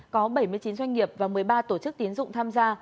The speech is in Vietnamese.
có bảy mươi chín doanh nghiệp và một mươi ba tổ chức tín dụng tham gia